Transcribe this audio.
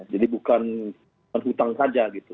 jadi bukan hutang saja gitu